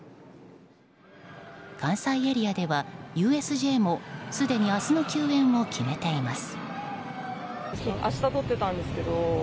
関西エリアでは、ＵＳＪもすでに明日の休園を決めています。